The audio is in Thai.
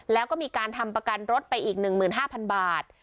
แล้วก็มีการทำประกันรถไปอีก๑๕๐๐๐บาท